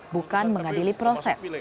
bukan mengadili proses